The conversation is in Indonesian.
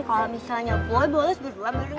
kalo misalnya boy boy seberdua miring reva